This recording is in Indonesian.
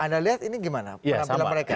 anda lihat ini gimana penampilan mereka